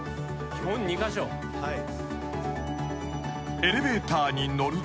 はい。